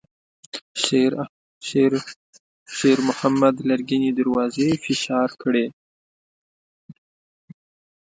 شېرمحمد لرګينې دروازې فشار کړې.